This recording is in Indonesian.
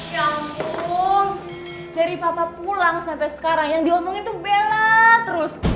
ya ampun dari papa pulang sampai sekarang yang diomongin itu bella terus